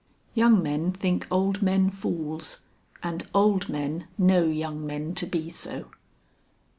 "Young men think old men fools, and old men know young men to be so."